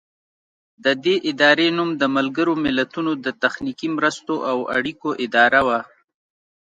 د دې ادارې نوم د ملګرو ملتونو د تخنیکي مرستو او اړیکو اداره و.